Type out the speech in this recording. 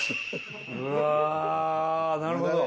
うわなるほど。